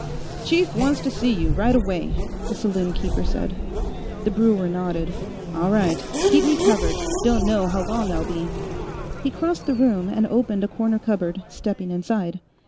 "Chief wants to see you, right away," the saloon keeper said. The brewer nodded. "All right. Keep me covered; don't know how long I'll be." He crossed the room and opened a corner cupboard, stepping inside.